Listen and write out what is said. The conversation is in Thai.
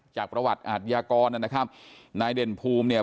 จากประวัติอาทยากรนะครับนายเด่นภูมิเนี่ย